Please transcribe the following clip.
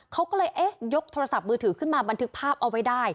เขาก็เลยเอ๊ะยกโทรศัพท์มือถือขึ้นมาบันทึกภาพเอาไว้ได้